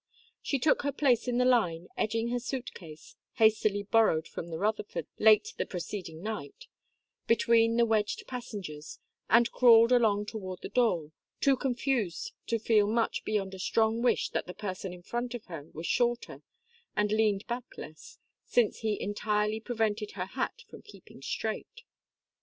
She took her place in the line, edging her suit case hastily borrowed from the Rutherfords late the preceding night between the wedged passengers, and crawled along toward the door, too confused to feel much beyond a strong wish that the person in front of her was shorter and leaned back less, since he entirely prevented her hat from keeping straight.